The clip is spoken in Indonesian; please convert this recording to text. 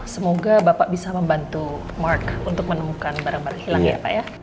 semoga bapak bisa membantu mark untuk menemukan barang barang hilang ya pak ya